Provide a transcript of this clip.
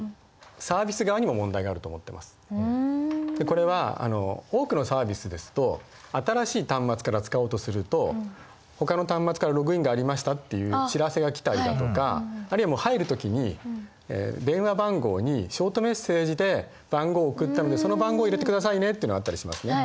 これは多くのサービスですと新しい端末から使おうとすると「ほかの端末からログインがありました」っていう知らせが来たりだとかあるいはもう入る時に電話番号にショートメッセージで番号を送ったのでその番号を入れてくださいねってのがあったりしますね。